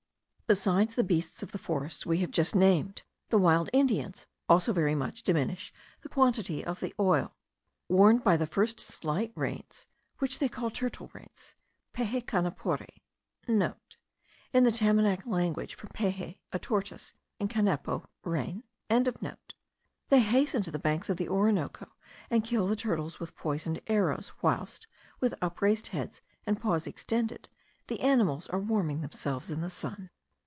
Besides the beasts of the forests we have just named, the wild Indians also very much diminish the quantity of the oil. Warned by the first slight rains, which they call turtle rains (peje canepori* (* In the Tamanac language, from peje, a tortoise, and canepo, rain.)), they hasten to the banks of the Orinoco, and kill the turtles with poisoned arrows, whilst, with upraised heads and paws extended, the animals are warming themselves in the sun.